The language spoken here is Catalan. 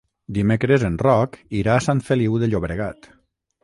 Dimecres en Roc irà a Sant Feliu de Llobregat.